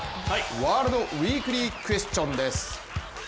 ワールドウィークリークエスチョンです。